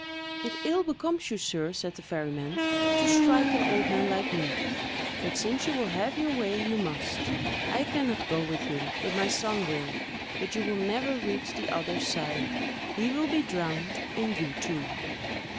"It ill becomes you, sir," said the ferryman, "to strike an old man like me; but, since you will have your way, you must; I can not go with you, but my son will; but you will never reach the other side; he will be drowned, and you too."